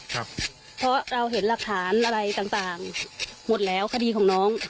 เพราะเราเห็นหลักฐานอะไรต่างหมดแล้วคดีของน้อง